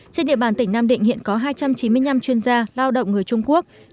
trên địa bàn tỉnh nam định hiện có hai trăm chín mươi năm chuyên gia lao động người trung quốc